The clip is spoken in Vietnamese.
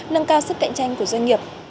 nâng cao sức cạnh tranh của doanh nghiệp